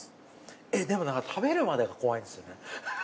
えっでもなんか食べるまでが怖いんですよね。